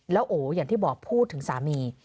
แล้วโออย่างที่บอกพูดถึงสามี